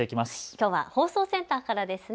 きょうは放送センターからですね。